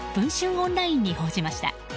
オンラインに報じました。